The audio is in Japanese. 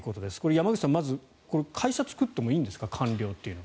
山口さん、まず会社作ってもいいんですか？